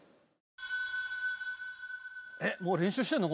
「えっもう練習してるの？